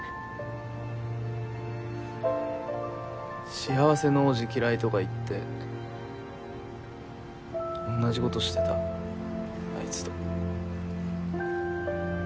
幸せの王子嫌いとか言って同じことしてたあいつと。